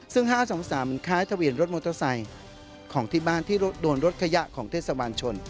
ซึ่ง๕๒๓มันคล้ายทะเบียนรถมอเตอร์ไซค์ของที่บ้านที่โดนรถขยะของเทศบาลชน